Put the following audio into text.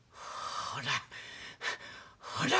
ほら。